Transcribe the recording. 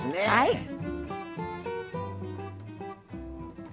はい。